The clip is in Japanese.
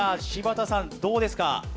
柴田さん、どうですか？